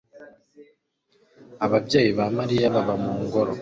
Ababyeyi ba Mariya baba mu ngoro